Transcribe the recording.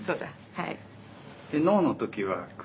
はい。